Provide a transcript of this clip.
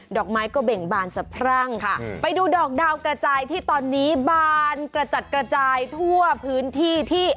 ดอกไม้ก็เบ่งบานสะพรั่งค่ะไปดูดอกดาวกระจายที่ตอนนี้บานกระจัดกระจายทั่วพื้นที่ที่